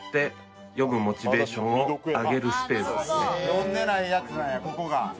読んでないやつなんやここが。